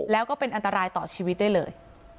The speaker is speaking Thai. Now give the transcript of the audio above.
แล้วก็เป็นอันตรายต่อชีวิตได้เลย